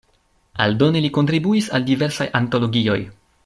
Aldone li kontribuis al diversaj antologioj.